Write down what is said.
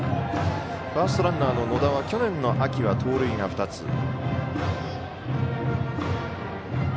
ファーストランナーの野田は去年の秋は盗塁が２つ。